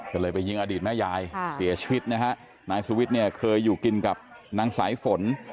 ก็เลยไปยิงอดีตแม่ยายเสียชีวิตนะฮะนายสุวิทย์เนี่ยเคยอยู่กินกับนางสายฝน